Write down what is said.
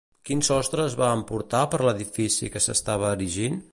Quin sostre es va emportar per l'edifici que s'estava erigint?